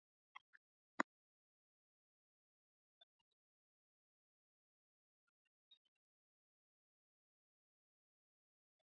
Because it is widely known, "Lumbricus" goes under a variety of common names.